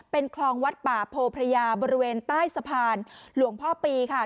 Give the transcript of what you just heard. เป็นคลองวัดป่าโพพระยาบริเวณใต้สะพานหลวงพ่อปีค่ะ